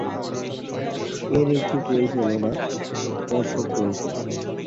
এর একটি পরিচালনা পর্ষদ রয়েছে।